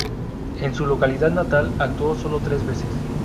En su localidad natal actuó sólo tres veces.